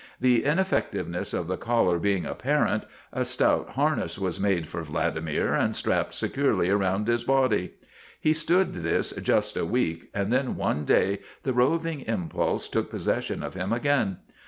The ineffectiveness of the collar being apparent, a stout harness was made for Vladimir and strapped securely about his body. He stood this just a week and then one day the roving impulse took posses sion of him again.